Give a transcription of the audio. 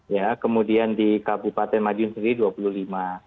ya kemudian di kabupaten madiun sendiri dua puluh lima